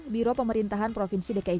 biro pemerintahan provinsi dki jakarta